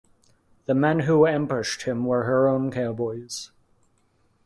The men who ambushed him were her own cowboys.